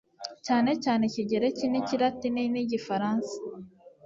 cyanecyane ikigereki n'ikilatini n'igifaransa